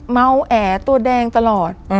เมาแอตัวแดงตลอด